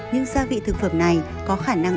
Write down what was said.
những gia vị thực phẩm này có khả năng